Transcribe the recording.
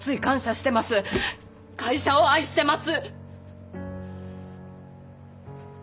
会社を愛してます！